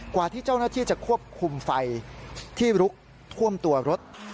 กว่าที่เจ้าหน้าที่จะควบคุมไฟที่ลุกท่วมตัวรถ